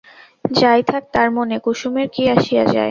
যাই থাক তার মনে, কুসুমের কী আসিয়া যায়?